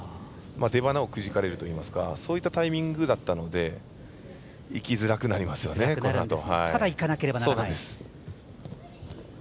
出ばなをくじかれるといいますかそういったタイミングだったのでいきづらくなりますね、このあと。